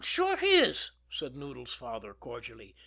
"Sure he is," said Noodles' father cordially.